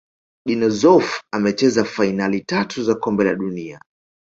dino Zoff amecheza fainali tatu za kombe la dunia